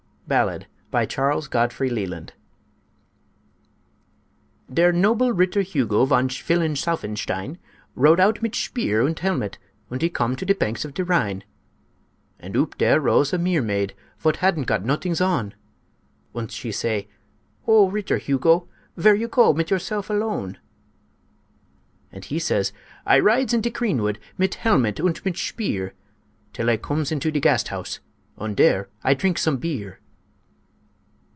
BALLAD BY CHARLES GODFREY LELAND Der noble Ritter Hugo Von Schwillensaufenstein, Rode out mit shpeer and helmet, Und he coom to de panks of de Rhine. Und oop dere rose a meer maid, Vot hadn't got nodings on, Und she say, "Oh, Ritter Hugo, Vhere you goes mit yourself alone?" And he says, "I rides in de creenwood Mit helmet und mit shpeer, Till I cooms into em Gasthaus, Und dere I trinks some beer."